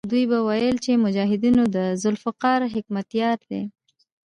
دوی به ویل چې مجاهدونو د ذوالفقار حکمتیار دی.